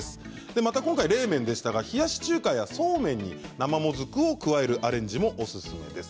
また今回冷麺でしたが冷やし中華や、そうめんに生もずくを加えるアレンジもおすすめです。